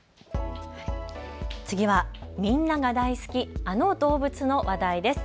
次はみんなが大好きあの動物の話題です。